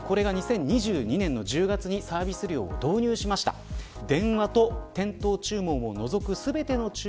けれどもこれが２０２２年の１０月に、サービス料を導入しました。